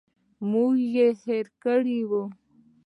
موږ یې هېر کړي یوو.